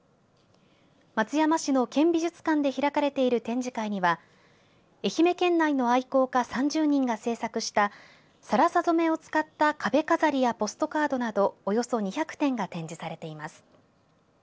松山市の県美術館で開かれている展示会には愛媛県内の愛好家３０人が製作した更紗染めを使った壁飾りやポストカードなどおよそ２００点が展示されています。